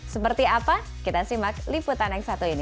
seperti apa kita simak liputan yang satu ini